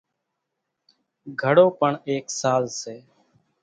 گھڙو پڻ ايڪ ساز سي۔